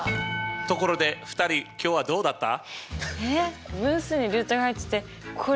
ところで２人今日はどうだった？